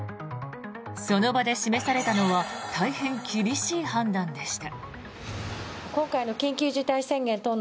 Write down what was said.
その場で示されたのは大変厳しい判断でした。